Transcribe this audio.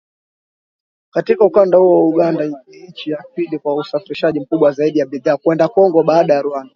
Katika ukanda huo Uganda ni nchi ya pili kwa usafirishaji mkubwa zaidi wa bidhaa kwenda Kongo baada ya Rwanda